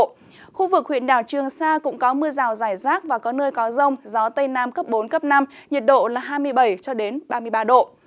khu vực huyện đảo trường sa cũng có mưa rào rải rác và có nơi có rông gió tây nam cấp bốn cấp năm nhiệt độ là hai mươi bảy ba mươi ba độ